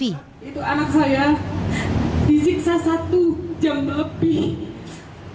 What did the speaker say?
itu anak saya disiksa satu jam lebih